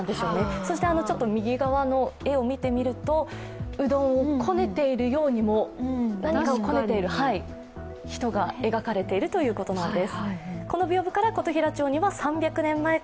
そして右側の絵を見るとうどんをこねているような人が描かれているということなんです。